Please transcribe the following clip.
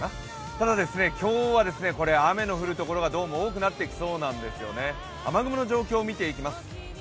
ただ、今日は雨の降るところがどうも多くなってきそうなんです雨雲の状況を見ていきます。